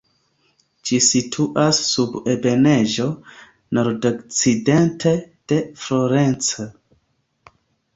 Ĝi situas sur ebenaĵo nordokcidente de Florenco.